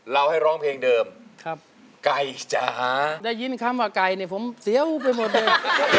ให้ร้องเพลงเดิมไก่จ๋าได้ยินคำว่าไก่เนี่ยผมเสียวไปหมดเลย